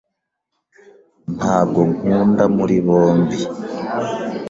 Ntabwo nkunda muri bombi.